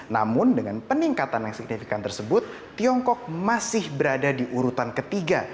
namun dengan peningkatan yang signifikan tersebut tiongkok masih berada di urutan ketiga